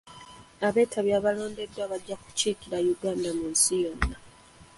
Abeetabi abalondeddwa bajja kukiikirira Uganda mu nsi yonna.